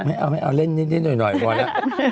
มีเอาเล่นแน่น่อยพอละ